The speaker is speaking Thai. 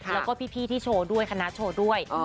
แล้วก็พี่ที่โชว์ด้วยคณะโชว์ด้วย